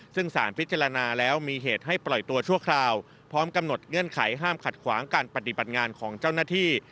ซึ่งสารพิจารณาแล้วมีเหตุให้ปล่อยตัวชั่วคราวพร้อมกำหนดเงื่อนไขห้ามขัดขวางการปฏิบัติงานของเจ้าหน้าที่